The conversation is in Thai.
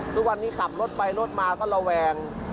ทุกวันนี้ขับรถไปรถมาก็ระแวง